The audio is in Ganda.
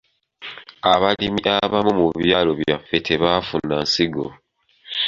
Abalimi abamu mu byalo byaffe tebaafuna nsigo.